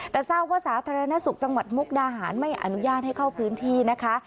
แต่ทราบว่าสาธารณสุขจังหวัดมุกดาหารไม่อนุญาตให้เข้าพื้นที่นะคะ